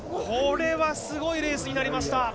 これはすごいレースになりました。